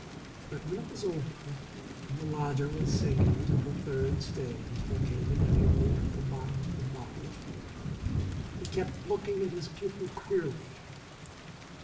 But when it was over and the lodger was sinking to the third stage that came inevitably with the bottom of the bottle, he kept looking at his pupil queerly.